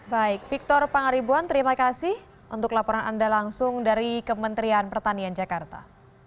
baik victor pangaribuan terima kasih untuk laporan anda langsung dari kementerian pertanian jakarta